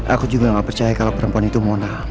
aku juga gak percaya kalau perempuan itu mona